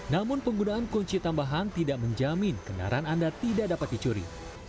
namun penggunaan kunci tambahan tidak menjamin kendaraan anda tidak dapat dicuri